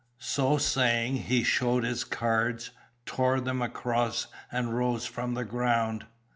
So saying, he showed his cards, tore them across, and rose from the ground.